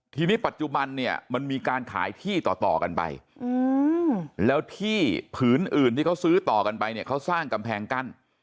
ทีนี้ปัจจุบันเนี่ยมันมีการขายที่ต่อกันไปแล้วที่ผืนอื่นที่เขาซื้อต่อกันไปเนี่ยเขาสร้างกำแพงกั้น